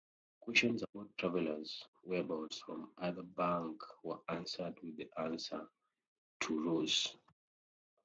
Questions about travelers' whereabouts from the other bank were answered with the answer To-Rus!